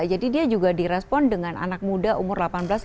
jadi dia juga direspon dengan anak muda umur delapan belas dua puluh lima